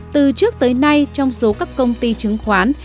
từ trước tới nay trong số các công ty chứng khoán